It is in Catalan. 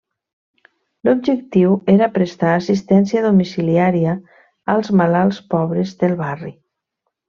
L'objectiu era prestar assistència domiciliària als malalts pobres del barri.